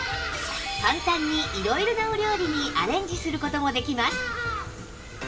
簡単に色々なお料理にアレンジする事もできます